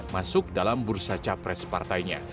masuk dalam bursa capres partainya